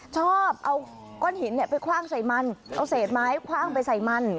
ชอบเอาก้อนหินไปคว่างใส่มันเอาเศษไม้คว่างไปใส่มัน